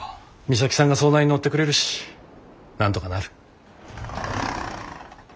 美咲さんが相談に乗ってくれるしなんとかなる。